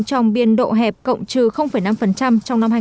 trong biên độ hẹp cộng trừ năm trong năm hai nghìn hai mươi một